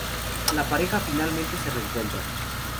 La pareja finalmente se reencuentra.